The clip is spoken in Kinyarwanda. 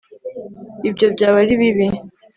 ibyo byaba ari bibi